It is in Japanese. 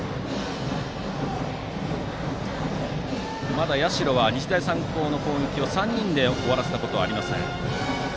まだ社は日大三高の攻撃を３人で終わらせたことはありません。